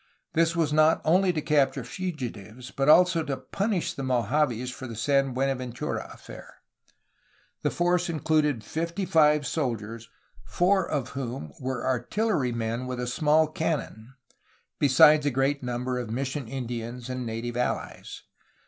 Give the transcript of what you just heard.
This was not only to capture fugitives but also to punish the Mojaves for the San Buenaventura affair. The force included fifty five soldiers, four of whom were artillerymen with a small cannon, besides a great number of mission Indians and native allies.